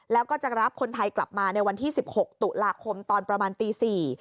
แล้วก็จะรับคนไทยกลับมาในวันที่๑๖ตุลาคมตอนประมาณตี๔